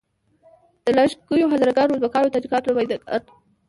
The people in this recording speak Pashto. د لږه کیو هزاره ګانو، ازبکانو او تاجیکانو نماینده ګان.